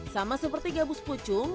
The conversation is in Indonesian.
sama seperti gabus pucung